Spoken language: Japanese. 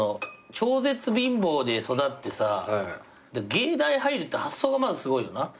超絶貧乏で育ってさ芸大入るって発想がまずすごいよな。